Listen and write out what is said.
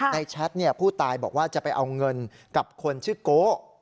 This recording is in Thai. แชทผู้ตายบอกว่าจะไปเอาเงินกับคนชื่อโก